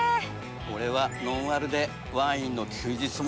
俺はノンアルでワインの休日もらっちゃおう！